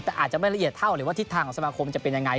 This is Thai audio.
แต่อาจจะไม่ละเอียดเท่าหรือว่าทิศทางของสมาคมจะเป็นยังไง